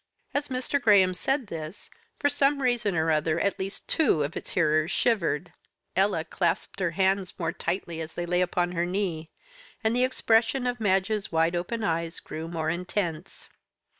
As Mr. Graham said this, for some reason or other at least two of its hearers shivered; Ella clasped her hands more tightly as they lay upon her knee, and the expression of Madge's wide open eyes grew more intense.